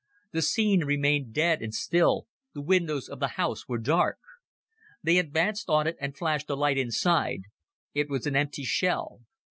The scene remained dead and still the windows of the house were dark. They advanced on it and flashed a light inside. It was an empty shell.